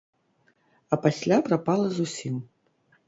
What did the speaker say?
А пасля прапала зусім.